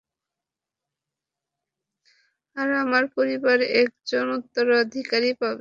আর আমার পরিবার একজন উত্তরাধিকারী পাবে।